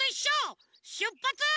しゅっぱつ。